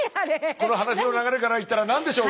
この話の流れからいったら何でしょう？